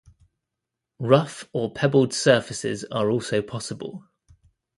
Rough or pebbled surfaces are also possible.